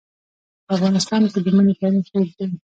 په افغانستان کې د منی تاریخ اوږد دی.